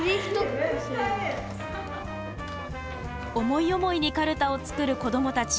思い思いにかるたを作る子どもたち。